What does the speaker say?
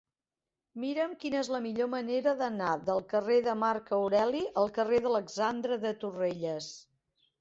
Mira'm quina és la millor manera d'anar del carrer de Marc Aureli al carrer d'Alexandre de Torrelles.